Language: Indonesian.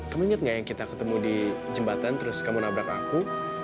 kemenyat gak yang kita ketemu di jembatan terus kamu nabrak aku